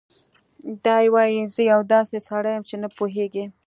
دی وايي: "زه یو داسې سړی یم چې نه پوهېږي